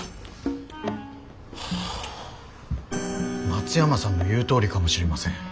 松山さんの言うとおりかもしれません。